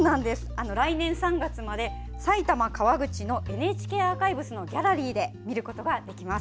来年３月まで埼玉・川口のＮＨＫアーカイブスのギャラリーで見ることができます。